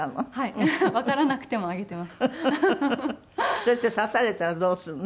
そして指されたらどうするの？